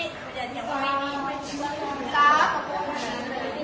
จะเถียงว่าไม่ได้